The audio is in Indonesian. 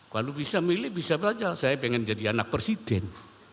kalau bisa milih bisa saja saya pengen jadi anak presiden